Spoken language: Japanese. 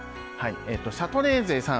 シャトレーゼさん